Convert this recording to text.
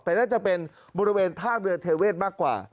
แต่น่าจะเป็นบริเวณท่าเรือเทเวศมากกว่า